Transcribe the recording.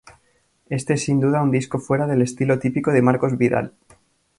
Este es sin duda un disco fuera del estilo típico de Marcos Vidal.